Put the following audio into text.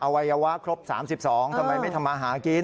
วัยวะครบ๓๒ทำไมไม่ทำมาหากิน